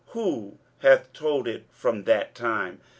who hath told it from that time?